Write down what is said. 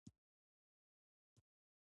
ځینې خلک له ګرد او دوړو سره الرژي لري